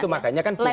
itu makanya kan publik